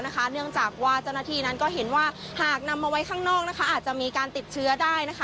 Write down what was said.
เนื่องจากว่าเจ้าหน้าที่นั้นก็เห็นว่าหากนำมาไว้ข้างนอกอาจจะมีการติดเชื้อได้